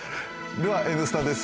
では「Ｎスタ」です。